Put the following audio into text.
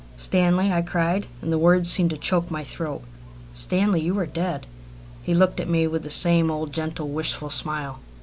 "Stanley!" I cried, and the words seemed to choke my throat "Stanley, you are dead." He looked at me with the same old gentle, wistful smile.